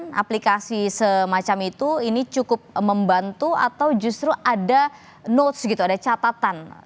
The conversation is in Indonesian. dengan aplikasi semacam itu ini cukup membantu atau justru ada notes gitu ada catatan